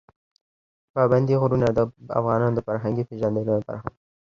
پابندي غرونه د افغانانو د فرهنګي پیژندنې یوه برخه ده.